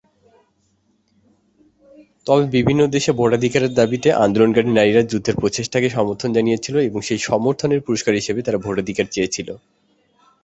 তবে, বিভিন্ন দেশে ভোটাধিকারের দাবীতে আন্দোলনকারী নারীরা যুদ্ধের প্রচেষ্টাকে সমর্থন জানিয়েছিল, সেই সমর্থনের পুরস্কার হিসাবে তারা ভোটাধিকার চেয়েছিল।